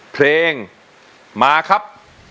เพลงมาครับ